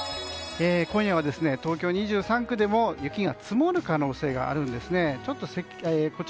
今夜は東京２３区でも雪が積もる可能性があるんですね。